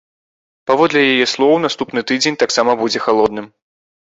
Паводле яе слоў, наступны тыдзень таксама будзе халодным.